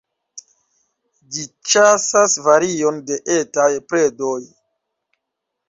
Ĝi ĉasas varion de etaj predoj.